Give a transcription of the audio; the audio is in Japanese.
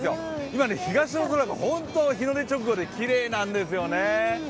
今、東の空が日の出直後で本当にきれいなんですよね。